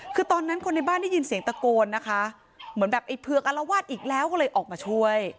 คือตอนนั้นคนในบ้านได้ยินเสียงตะโกนนะคะเหมือนแบบไอ้เผือกอารวาสอีกแล้วก็เลยออกมาช่วย